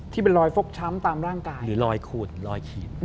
ที่เป็นรอยฟกช้ำตามร่างกาย